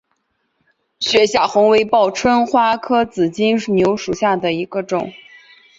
雪下红为报春花科紫金牛属下的一个种。